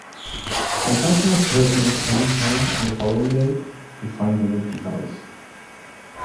When Sasha's husband comes home on the following day, he finds an empty house.